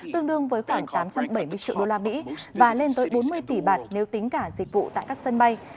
tương đương với khoảng tám trăm bảy mươi triệu usd và lên tới bốn mươi tỷ bạt nếu tính cả dịch vụ tại các sân bay